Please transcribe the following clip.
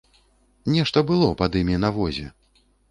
Нешта было пад імі на возе.